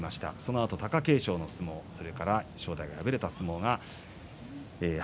このあと貴景勝の相撲そして正代が敗れた相撲。